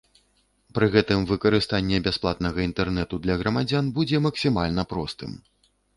Пры гэтым выкарыстанне бясплатнага інтэрнэту для грамадзян будзе максімальна простым.